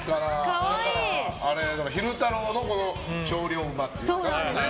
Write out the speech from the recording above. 昼太郎の精霊馬っていうんですか。